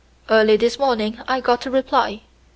Early this morning I got this reply."